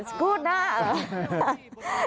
สวัสดีค่ะสวัสดีค่ะสวัสดีค่ะสวัสดีค่ะสวัสดีค่ะสวัสดีค่ะ